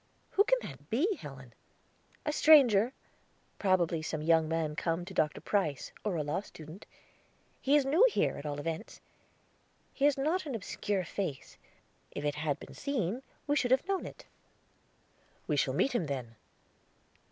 "Who can that be, Helen?" "A stranger; probably some young man come to Dr. Price, or a law student. He is new here, at all events. His is not an obscure face; if it had been seen, we should have known it." "We shall meet him, then."